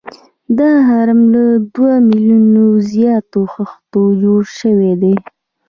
دا هرم له دوه میلیونه زیاتو خښتو جوړ شوی دی.